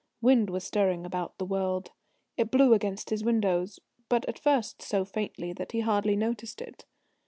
Wind was stirring about the world. It blew against his windows, but at first so faintly that he hardly noticed it.